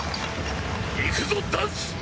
いくぞダンス！